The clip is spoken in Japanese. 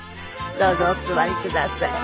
どうぞお座りください。